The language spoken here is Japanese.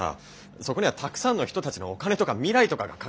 そこにはたくさんの人たちのお金とか未来とかがかかってるわけでさ。